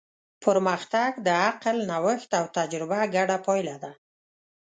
پرمختګ د عقل، نوښت او تجربه ګډه پایله ده.